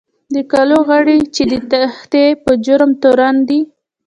د کلو غړي چې د تېښتې په جرم تورن دي.